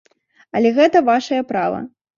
Але гэта вашае права.